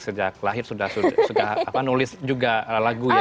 sejak lahir sudah nulis juga lagu ya